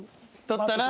撮ったら。